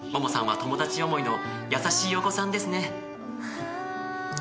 桃さんは友達思いの優しいお子さんですね。